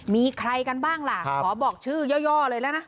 มีใครกันบ้างล่ะขอบอกชื่อย่อเลยแล้วนะ